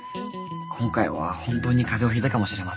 今回は本当に風邪をひいたかもしれません。